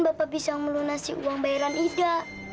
bapak bisa melunasi uang bayaran ida